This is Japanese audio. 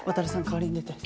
代わりに出て。